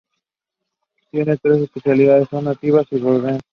Tiene tres especies y son nativas de Borneo.